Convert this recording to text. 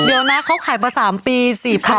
เดี๋ยวนะเขาขายมา๓ปี๔๐๐